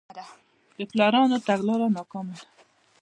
د پلانرانو تګلاره ناکامه ده.